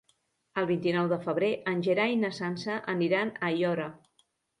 El vint-i-nou de febrer en Gerai i na Sança aniran a Aiora.